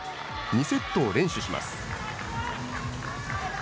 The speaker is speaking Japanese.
２セットを連取します。